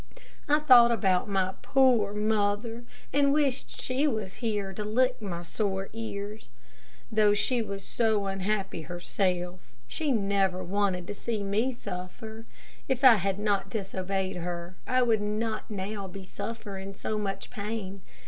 I thought about my poor mother, and wished she was here to lick my sore ears. Though she was so unhappy herself, she never wanted to see me suffer. If I had not disobeyed her, I would not now be suffering so much pain.